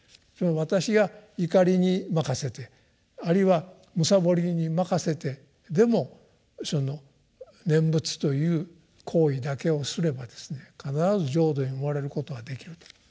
私が瞋りに任せてあるいは貪りに任せてでもその念仏という行為だけをすれば必ず浄土に生まれることはできると。